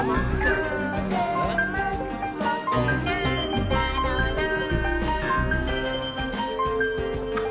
「もーくもくもくなんだろなぁ」